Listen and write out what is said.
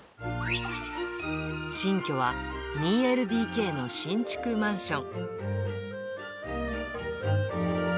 新居は２ＬＤＫの新築マンション。